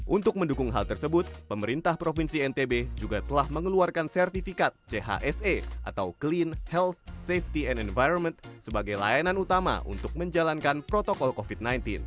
untuk mendukung hal tersebut pemerintah provinsi ntb juga telah mengeluarkan sertifikat chse atau clean health safety and environment sebagai layanan utama untuk menjalankan protokol covid sembilan belas